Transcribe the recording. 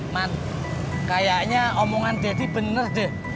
man kayaknya omongan deddy bener deh